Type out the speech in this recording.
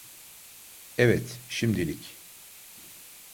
Evet, şimdilik.